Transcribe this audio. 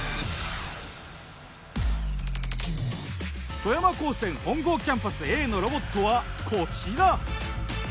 富山高専本郷キャンパスＡのロボットはこちら。